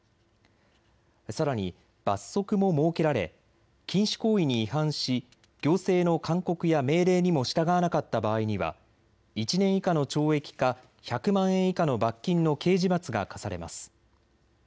さらに罰則も設けられ禁止行為に違反し、行政の勧告や命令にも従わなかった場合には１年以下の懲役か１００万円以下の罰金の刑事罰が科されます。